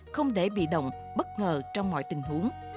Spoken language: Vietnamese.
không để bị động bất ngờ trong mọi tình huống